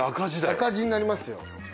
赤字になりますよ。